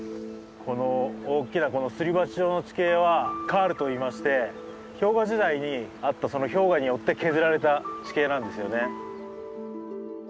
この大きなすり鉢状の地形はカールといいまして氷河時代にあった氷河によって削られた地形なんですよね。